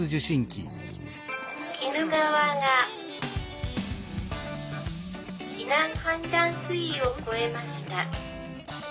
「鬼怒川が避難判断水位を超えました」。